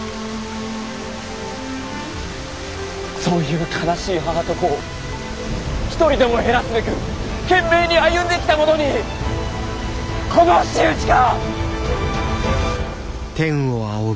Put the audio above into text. そういう悲しい母と子を一人でも減らすべく懸命に歩んできた者にこの仕打ちか！？